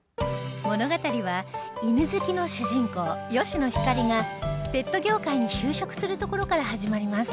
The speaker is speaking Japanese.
物語は犬好きの主人公吉野ひかりがペット業界に就職するところから始まります